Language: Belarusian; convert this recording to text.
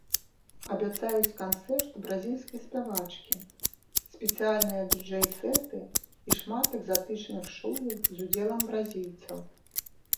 Абяцаюць канцэрт бразільскай спявачкі, спецыяльныя дыджэй-сэты і шмат экзатычных шоу з удзелам бразільцаў.